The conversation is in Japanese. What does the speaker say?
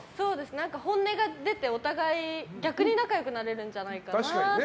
本音が出て、お互い逆に仲良くなれるんじゃないかなと。